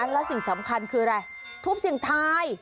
และสิ่งสำคัญคืออะไรทุบเสียงทาย